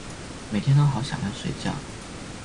每天都好想要睡覺